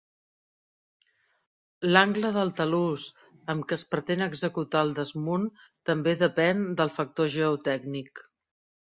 L'angle del talús amb què es pretén executar el desmunt també depèn del factor geotècnic.